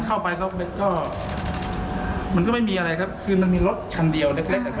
เข้าไปก็มันก็ไม่มีอะไรครับคือมันมีรถคันเดียวเล็กเล็ก